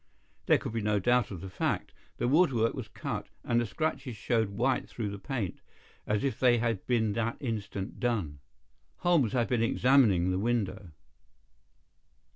There could be no doubt of the fact. The woodwork was cut, and the scratches showed white through the paint, as if they had been that instant done. Holmes had been examining the window.